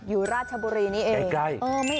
ราชบุรีนี้เอง